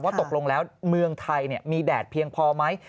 ตกลงแล้วเมืองไทยมีแดดเพียงพอไหม